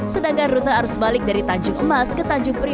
sedangkan rute arus balik dari tanjung emas ke tanjung prio